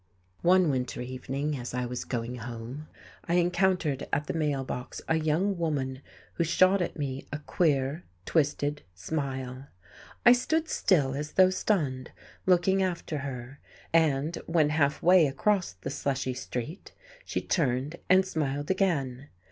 One winter evening as I was going home, I encountered at the mail box a young woman who shot at me a queer, twisted smile. I stood still, as though stunned, looking after her, and when halfway across the slushy street she turned and smiled again.